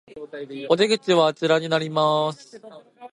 お出口はあちらになります